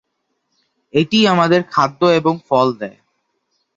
এটি আমাদের খাদ্য এবং ফল দেয়।